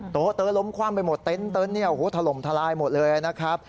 โต๊ะเต้นล้มความไปหมดเต้นเนี่ยอ่อถล่มทลายหมดเลยนะครับ